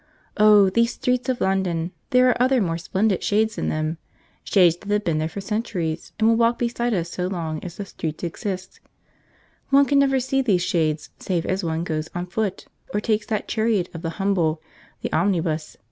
O these streets of London! There are other more splendid shades in them, shades that have been there for centuries, and will walk beside us so long as the streets exist. One can never see these shades, save as one goes on foot, or takes that chariot of the humble, the omnibus.